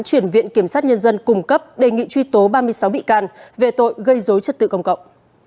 chuyển viện kiểm sát nhân dân cung cấp đề nghị truy tố ba mươi sáu bị can về tội gây dối trật tự công cộng